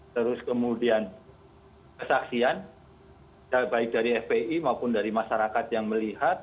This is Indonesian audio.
terus kemudian kesaksian baik dari fpi maupun dari masyarakat yang melihat